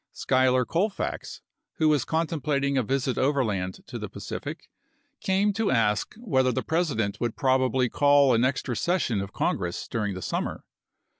Schuyler Colfax, who was contemplating a visit overland to the Pacific, came to ask whether the President would probably call an extra session of Congress during the summer.